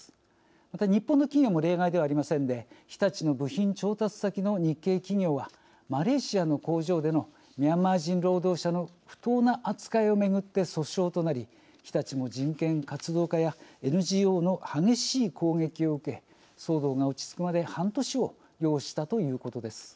また日本の企業も例外ではありませんで日立の部品調達先の日系企業はマレーシアの工場でのミャンマー人労働者の不当な扱いをめぐって訴訟となり日立も人権活動家やＮＧＯの激しい攻撃を受け騒動が落ち着くまで半年を要したということです。